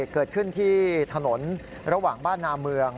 เกิดขึ้นที่ถนนระหว่างบ้านนาเมือง